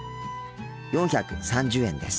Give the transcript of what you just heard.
４３０円です。